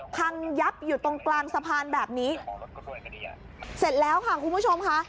พังยับอยู่ตรงกลางสะพานแบบนี้เสร็จแล้วค่ะคุณผู้ชมค่ะ